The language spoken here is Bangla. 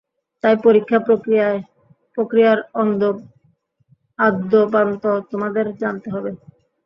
তাই পরীক্ষা প্রক্রিয়ার আদ্যোপান্ত তোমাদের জানতে হবে।